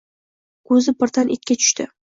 Koʻzi birdan itga tushdi.